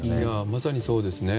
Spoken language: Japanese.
まさにそうですね。